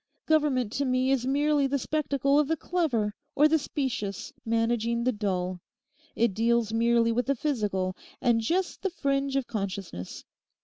Government to me is merely the spectacle of the clever, or the specious, managing the dull. It deals merely with the physical, and just the fringe of consciousness.